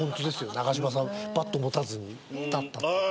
長嶋さんバット持たずに立ったって。